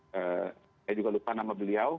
saya juga lupa nama beliau